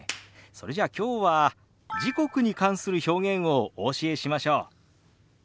それじゃあきょうは時刻に関する表現をお教えしましょう。